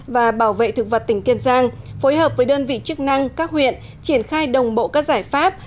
và bảo vệ thực vật tỉnh kiên giang phối hợp với đơn vị chức năng các huyện triển khai đồng bộ các giải pháp